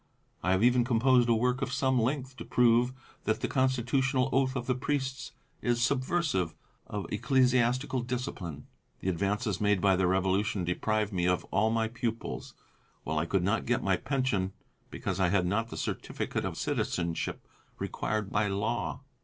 I have even composed a work of some length, to prove that the Constitutional oath of the Priests is subversive of Ecclesiastical discipline. The advances made by the Revolution deprived me of all my pupils, while I could not get my pension because I had not the certificate of citizenship required by law.